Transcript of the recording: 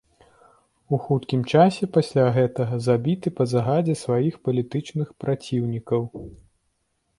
У хуткім часе пасля гэтага забіты па загадзе сваіх палітычных праціўнікаў.